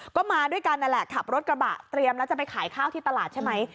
ก็มาด้วยกันนั่นแหละขับรถกระบะเตรียมแล้วจะไปขายข้าวที่ตลาดใช่ไหม